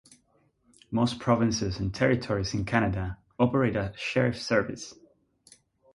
Most provinces and territories in Canada operate a sheriffs service.